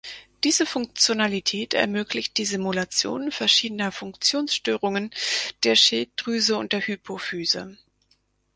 Diese Funktionalität ermöglicht die Simulation verschiedener Funktionsstörungen der Schilddrüse und der Hypophyse.